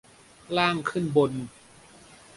ล่างขึ้นบน